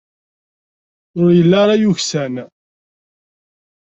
Ur yelli ara yeksan.